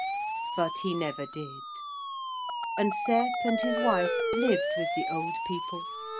But he never did. And Sep and his wife lived with the old people.